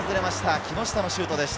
木下のシュートでした。